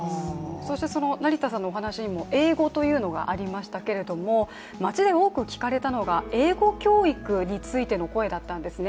そして、成田さんのお話にも英語という言葉がありましたけれども街で多く聞かれたのが英語教育についての声だったんですね。